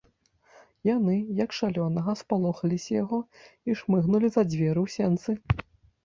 Яны, як шалёнага, спалохаліся яго і шмыгнулі за дзверы ў сенцы.